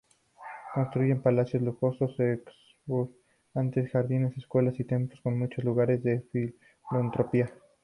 Construyeron palacios lujosos, exuberantes jardines, escuelas y templos y muchos otros lugares de filantropía.